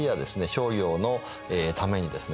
商業のためにですね